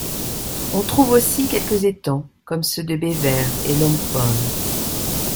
On trouve aussi quelques étangs, comme ceux de Beaver et Long Pond.